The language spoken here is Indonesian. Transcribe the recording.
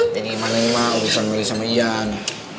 jadi mana nih mak urusan melly sama ian